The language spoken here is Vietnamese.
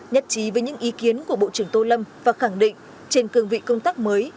nhất trí với những ý kiến của bộ trưởng tô lâm và khẳng định trên cương vị công tác mới